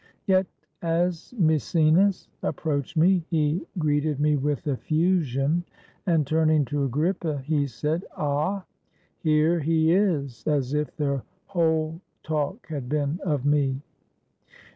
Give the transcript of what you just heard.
Yet as Maecenas approached me, he greeted me with effusion, and turning to Agrippa he said, "Ah, here he is," as if their whole talk had been of me.